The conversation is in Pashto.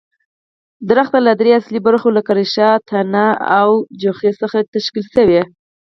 ونې له درې اصلي برخو لکه ریښه، تنه او جوغې څخه تشکیل شوې.